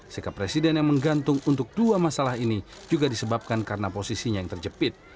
sikap presiden yang menggantung untuk dua masalah ini juga disebabkan karena posisinya yang terjepit